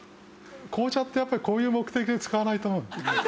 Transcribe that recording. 紅茶ってやっぱりこういう目的で使わないと思う。